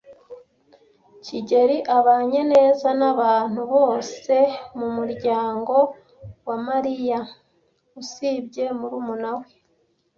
kigeli abanye neza nabantu bose mumuryango wa Mariya usibye murumuna we.